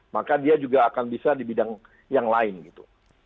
maka dia juga akan bisa di bidang yang lain gitu